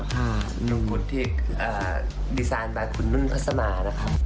มงกุฎที่ดีซินมาครึลภาษมานะครับ